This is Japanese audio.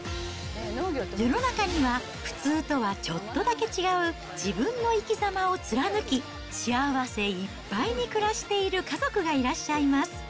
世の中には普通とはちょっとだけ違う自分の生きざまを貫き、幸せいっぱいに暮らしている家族がいらっしゃいます。